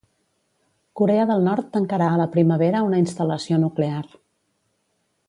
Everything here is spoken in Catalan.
Corea del Nord tancarà a la primavera una instal·lació nuclear